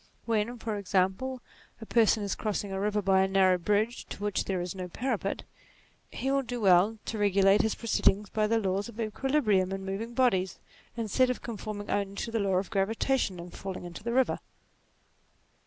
When, for example, a person is crossing a river by a narrow bridge to which there is no parapet, he will do well to regulate his proceedings by the laws of equilibrium in moving bodies, instead of conforming only to the law of gravitation, and falling into the river.